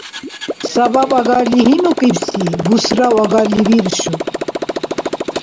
Сабаб агарли гьимукӀибси, бусрав агарли виршур.